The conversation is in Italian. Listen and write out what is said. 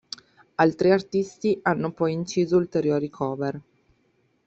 Altri artisti hanno poi inciso ulteriori cover.